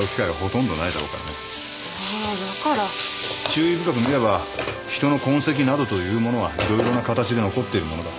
注意深く見れば人の痕跡などというものはいろいろな形で残っているものだ。